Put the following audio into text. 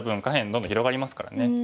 下辺どんどん広がりますからね。